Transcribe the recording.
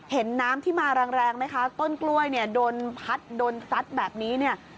เห็นน้ำที่มาแรงไหมคะต้นกล้วยเนี่ยโดนพัดโดนซัดแบบนี้เนี่ย